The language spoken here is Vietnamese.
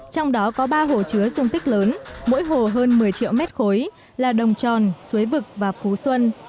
trong đó có ba hồ chứa dung tích lớn mỗi hồ hơn một mươi triệu mét khối là đồng tròn suối vực và phú xuân